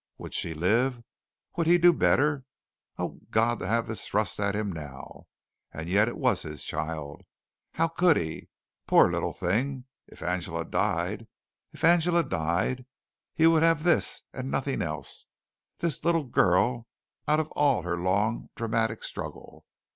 Would she live? Would he do better? Oh, God, to have this thrust at him now, and yet it was his child. How could he? Poor little thing. If Angela died if Angela died, he would have this and nothing else, this little girl out of all her long, dramatic struggle.